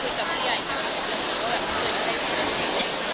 จริงแล้วไม่เคยคุยกับผู้ใหญ่ที่ว่าจะเลือกคืออะไร